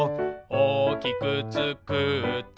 「おおきくつくって」